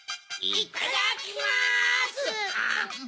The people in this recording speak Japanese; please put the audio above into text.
いただきます！